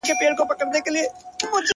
وځان ته بله زنده گي پيدا كړه ـ